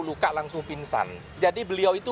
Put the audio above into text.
luka langsung pingsan jadi beliau itu